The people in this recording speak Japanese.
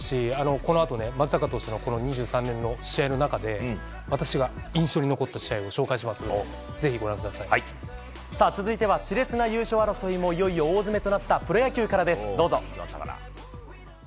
このあと、松坂選手の２３年の試合の中で私が印象に残った試合を紹介するので続いては、熾烈な優勝争いがいよいよ大詰めとなったプロ野球からです。